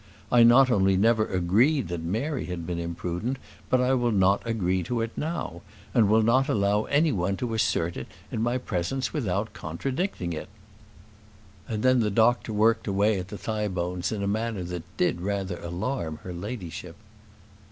I not only never agreed that Mary had been imprudent, but I will not agree to it now, and will not allow any one to assert it in my presence without contradicting it:" and then the doctor worked away at the thigh bones in a manner that did rather alarm her ladyship.